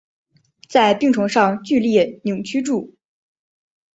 在病床上剧烈扭曲著